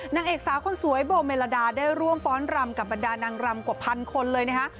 นางเอกสาวคนสวยโบเมลดาได้ร่วมฟ้อนรำกับบรรดานางรำกว่าพันคนเลยนะคะ